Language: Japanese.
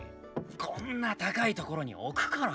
こんな高い所に置くから。